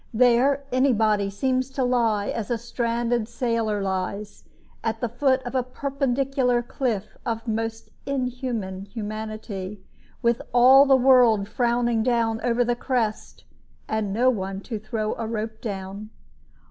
There any body seems to lie, as a stranded sailor lies, at the foot of perpendicular cliffs of most inhuman humanity, with all the world frowning down over the crest, and no one to throw a rope down.